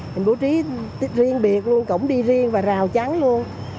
mình bố trí riêng biệt luôn cổng đi riêng và rào chắn luôn